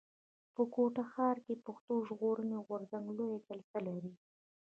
په کوټه ښار کښي پښتون ژغورني غورځنګ لويه جلسه لري.